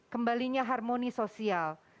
kembalinya harmoni sosial